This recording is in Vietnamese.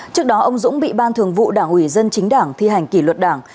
trước đó ông dũng bị ban thường vụ đảng ủy dân chính đảng thi hành kỷ luật đảng